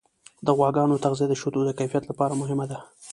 د غواګانو تغذیه د شیدو د کیفیت لپاره مهمه ده.